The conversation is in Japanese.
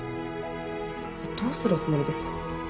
どうするおつもりですか？